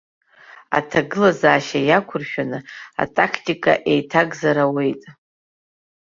Аҭагылазаашьа иақәыршәаны атактика еиҭакзар ауеит.